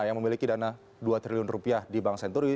yang memiliki dana dua triliun rupiah di bank senturi